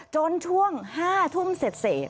จนช่วง๕ทุ่มเสร็จ